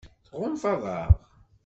Tɣunfaḍ-aɣ?